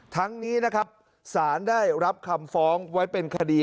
ทั้งนี้นะครับสารได้รับคำฟ้องไว้เป็นคดี